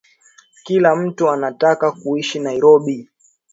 Kila mtu anataka kuishi Nairobi